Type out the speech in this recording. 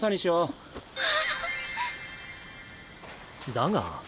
だが。